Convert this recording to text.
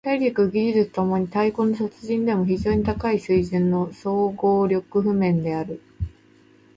体力・技術共に太鼓の達人でも非常に高い水準の総合力譜面である。